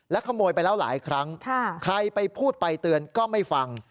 ขโมยไปแล้วหลายครั้งใครไปพูดไปเตือนก็ไม่ฟัง